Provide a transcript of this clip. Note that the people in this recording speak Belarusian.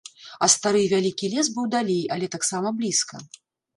А стары і вялікі лес быў далей, але таксама блізка.